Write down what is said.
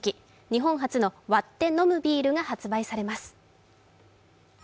日本初の割って飲むビールが発売されます。